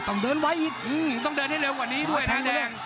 ต้องเดินไว้อีกต้องเดินให้เร็วกว่านี้ด้วยแทงแดง